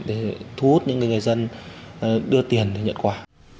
để thu hút những người dân đưa tiền để nhận quà